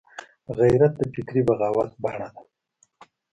غیرت د فکري بغاوت بڼه ده